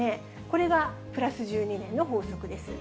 これがプラス１２年の法則です。